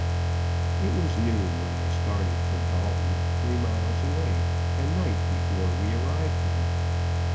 _ It was noon when I started for Dalton, three miles away, and night before we arrived there.